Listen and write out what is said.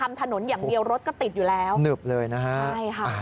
ทำถนนอย่างเดียวรถก็ติดอยู่แล้วหนึบเลยนะฮะใช่ค่ะ